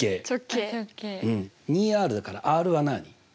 ２ＲだからＲは何？